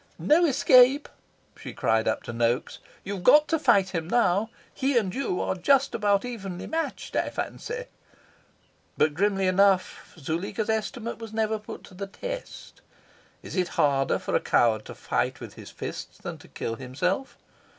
"No escape!" she cried up to Noaks. "You've got to fight him now. He and you are just about evenly matched, I fancy." But, grimly enough, Zuleika's estimate was never put to the test. Is it harder for a coward to fight with his fists than to kill himself?